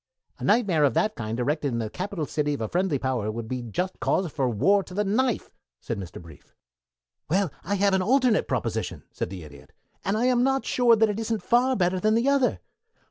"A nightmare of that kind erected in the capital city of a friendly power would be just cause for war to the knife!" said Mr. Brief. "Well, I have an alternative proposition," said the Idiot, "and I am not sure that it isn't far better than the other.